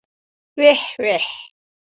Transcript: ويح ويح.